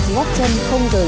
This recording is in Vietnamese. góp chân không rời